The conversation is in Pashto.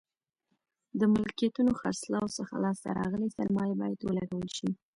د ملکیتونو خرڅلاو څخه لاس ته راغلې سرمایه باید ولګول شي.